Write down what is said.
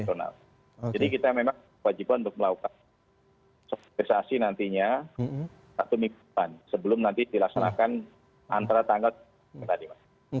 jadi kita memang wajib untuk melakukan sosialisasi nantinya satu mingguan sebelum nanti dilaksanakan antara tanggal ke lima